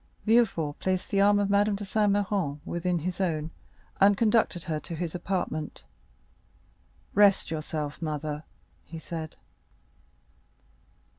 Villefort placed the arm of Madame de Saint Méran within his own, and conducted her to his apartment. "Rest yourself, mother," he said.